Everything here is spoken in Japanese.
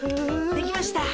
できました。